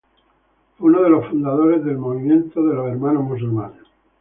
Fue uno de los fundadores del movimiento de los Hermanos de Plymouth.